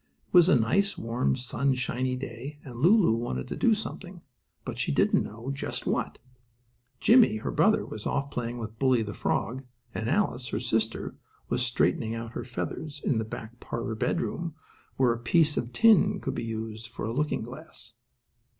It was a nice, warm, sunshiny day, and Lulu wanted to do something, but she didn't just know what. Jimmie, her brother, was off playing with Bully, the frog, and Alice, her sister, was straightening out her feathers in the back parlor bedroom, where a piece of tin could be used for a looking glass.